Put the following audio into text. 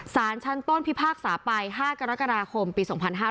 สารชั้นต้นพิพากษาไป๕กรกฎาคมปี๒๕๕๙